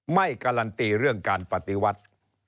ไม่การันตีเรื่องการปฏิวัติ